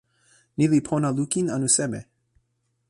ni li pona lukin anu seme?